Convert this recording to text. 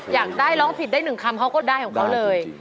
อยากได้ร้องผิดได้หนึ่งคำเขาก็ได้ของเขาเลย